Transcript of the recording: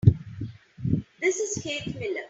This is Keith Miller.